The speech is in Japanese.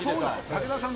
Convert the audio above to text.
武田さん。